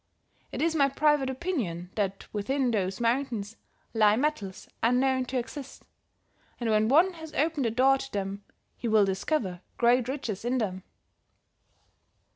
It is my private opinion that within those mountains lie metals unknown to exist, and when one has opened the door to them, he will discover great riches in them."